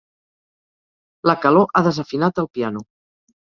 La calor ha desafinat el piano.